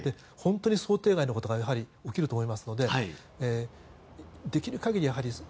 本当に想定外のことが起きると思いますのでできる限り